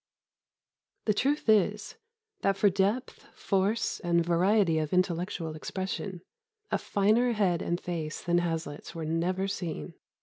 ] "The truth is, that for depth, force, and variety of intellectual expression, a finer head and face than Hazlitt's were never seen.